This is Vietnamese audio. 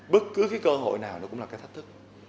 bất cứ cái cơ hội nào nó cũng là cái thách thức